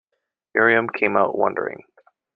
Miriam came out wondering.